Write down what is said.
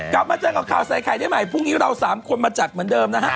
กลับมาเจอกับข่าวใส่ไข่ได้ใหม่พรุ่งนี้เราสามคนมาจัดเหมือนเดิมนะฮะ